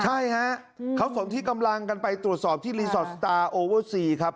ใช่ฮะเขาสนที่กำลังกันไปตรวจสอบที่รีสอร์ทสตาร์โอเวอร์ซีครับ